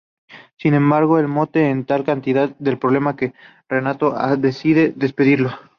Sin embargo, lo mete en tal cantidad de problemas que Renato decide despedirlo.